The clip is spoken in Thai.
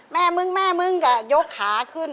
แม่มึงยกขาขึ้น